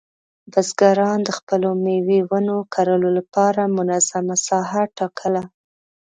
بزګران د خپلو مېوې ونو کرلو لپاره منظمه ساحه ټاکله.